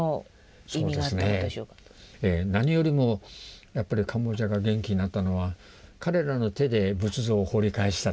何よりもやっぱりカンボジアが元気になったのは彼らの手で仏像を掘り返したという。